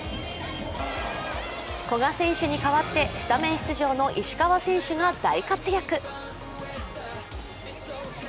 古賀選手に代わってスタメン出場の石川選手が大活躍。